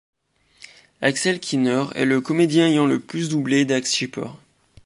Axel Kiener est le comédien ayant le plus doublé Dax Shepard.